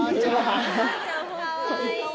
うわ！